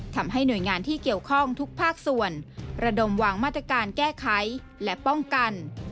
ทำให้หน่วยงานที่เกี่ยวข้องทุกภาคส่วนระดมวางมาตรการแก้ไขและป้องกัน